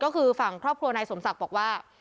ก็คือฝั่งครอบครัวนายสมศักดิ์บอกว่า